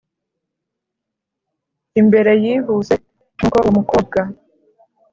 imbere yihuse nuko uwo mukobwa